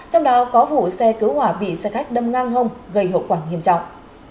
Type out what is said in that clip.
trong đó có vụ xe cứu hỏa bị xe khách đâm ngang hông gây hậu quả nghiêm trọng